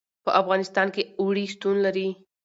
په افغانستان کې اوړي شتون لري.